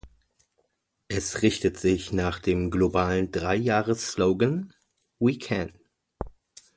Es richtet sich nach dem globalen Dreijahres-Slogan „We can.